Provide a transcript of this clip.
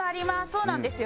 そうなんですよ。